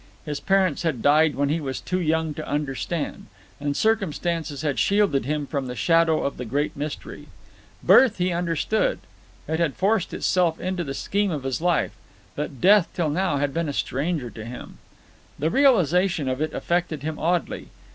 His parents had died when he was too young to understand; and circumstances had shielded him from the shadow of the great mystery. Birth he understood; it had forced itself into the scheme of his life; but death till now had been a stranger to him. The realization of it affected him oddly.